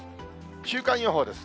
週間予報です。